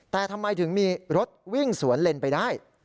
แต่ทำไมถึงมีรถวิ่งสวนเลนไปได้